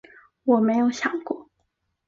我没有想过